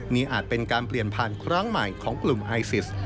นี่อาจเป็นการเปลี่ยนผ่านครั้งใหม่ของกลุ่มไอซิส